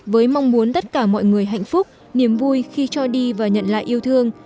với mong muốn tất cả mọi người hạnh phúc niềm vui khi cho đi và nhận được